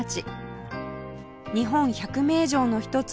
日本１００名城の一つ